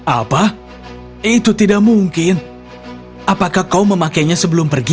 apa itu tidak mungkin apakah kau memakainya sebelum pergi